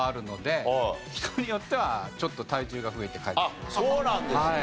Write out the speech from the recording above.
あっそうなんですね。